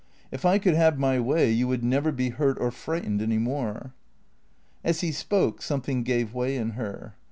If I could have my way you would never be hurt or frightened any more." As he spoke something gave way in her.